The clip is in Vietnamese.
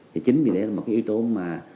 thì chính vì thế là một yếu tố mà